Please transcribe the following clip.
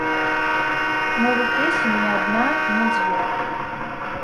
Новых песень не адна і не дзве.